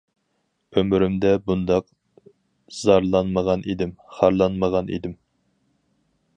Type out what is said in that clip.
ئۆمرۈمدە بۇنداق زارلانمىغان ئىدىم، خارلانمىغان ئىدىم.